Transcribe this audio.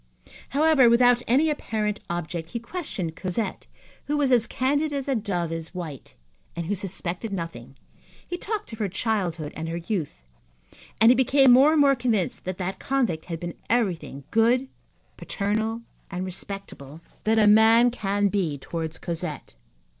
However, without any apparent object, he questioned Cosette, who was as candid as a dove is white and who suspected nothing; he talked of her childhood and her youth, and he became more and more convinced that that convict had been everything good, paternal and respectable that a man can be towards Cosette.